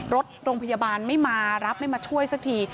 รถโรงพยาบาลไม่มารับไม่มาช่วยสักที